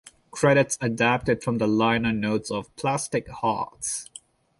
Credits adapted from the liner notes of "Plastic Hearts".